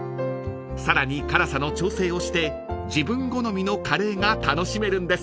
［さらに辛さの調整をして自分好みのカレーが楽しめるんです］